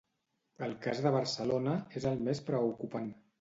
El cas de Barcelona és el més preocupant.